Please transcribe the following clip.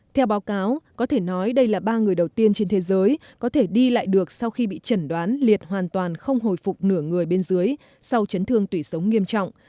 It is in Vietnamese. theo báo cáo có thể nói đây là ba người đầu tiên trên thế giới có thể đi lại được sau khi bị chẩn đoán liệt hoàn toàn không hồi phục nửa người bên dưới sau chấn thương tủy sống nghiêm trọng